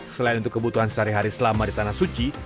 selain untuk kebutuhan sehari hari selama di tanah suci